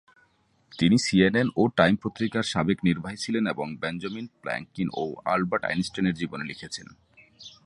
তিনি সিএনএন ও টাইম পত্রিকার সাবেক নির্বাহী ছিলেন এবং বেঞ্জামিন ফ্রাঙ্কলিন ও আলবার্ট আইনস্টাইনের জীবনী লিখেছেন।